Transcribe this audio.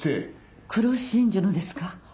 黒真珠のですか？